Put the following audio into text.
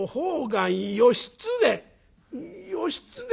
「義経！？